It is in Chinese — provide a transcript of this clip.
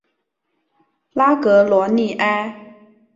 拉格罗利埃。